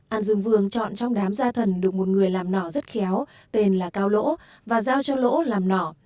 an dương vương chọn trong đám da thần được một người làm nỏ rất khéo tên là cao lỗ và giao cho lỗ làm nỏ